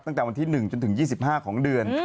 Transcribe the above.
ตั้งแต่วันที่๑จนถึง๒๕ของเดือน